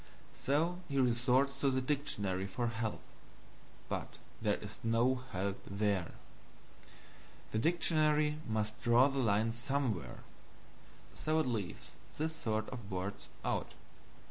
So he resorts to the dictionary for help, but there is no help there. The dictionary must draw the line somewhere so it leaves this sort of words out.